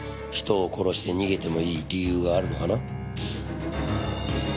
人を殺して逃げてもいい理由があるのかな？